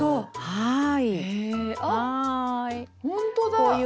はい。